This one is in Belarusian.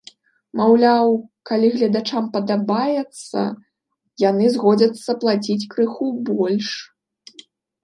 Маўляў, калі гледачам падабаецца, яны згодзяцца плаціць крыху больш.